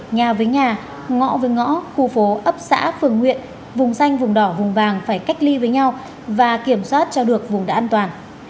nhà với nhà ngõ với ngõ khu phố ấp xã phường huyện vùng xanh vùng đỏ vùng vàng phải cách ly với nhau và kiểm soát cho được vùng đất an toàn